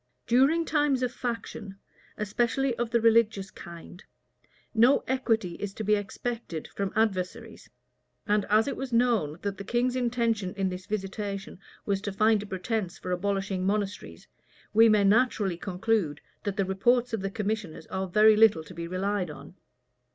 During times of faction, especially of the religious kind, no equity is to be expected from adversaries; and as it was known, that the king's intention in this visitation was to find a pretence for abolishing monasteries, we may naturally conclude, that the reports of the commissioners are very little to be relied on.